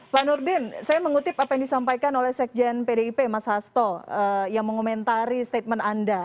pak nurdin saya mengutip apa yang disampaikan oleh sekjen pdip mas hasto yang mengomentari statement anda